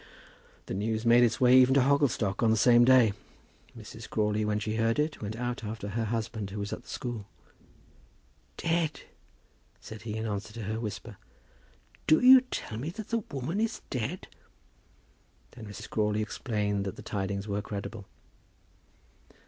The news made its way even to Hogglestock on the same day. Mrs. Crawley, when she heard it, went out after her husband, who was in the school. "Dead!" said he, in answer to her whisper. "Do you tell me that the woman is dead?" Then Mrs. Crawley explained that the tidings were credible.